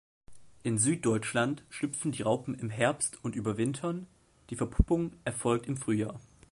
In Süddeutschland schlüpfen die Raupen im Herbst und überwintern, die Verpuppung erfolgt im Frühjahr.